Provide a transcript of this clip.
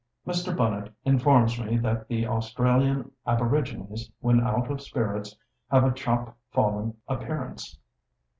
Mr. Bunnet informs me that the Australian aborigines when out of spirits have a chop fallen appearance.